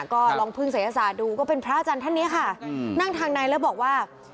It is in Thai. ก็ลองพึ่งศัยศาสตร์ดูก็เป็นพระอาจารย์ท่านนี้ค่ะนั่งทางในแล้วบอกว่า